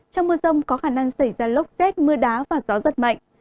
trong mưa rông có khả năng xảy ra lốc xét mưa đá và gió giật mạnh